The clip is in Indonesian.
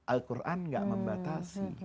al quran gak membatasi